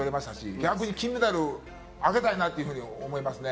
逆に金メダルをあげたいなと思いますね。